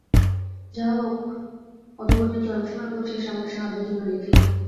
যাহা হউক, অধোগতির চরম সীমায় পৌঁছিয়া সে আমাকে সাহায্যের জন্য লেখে।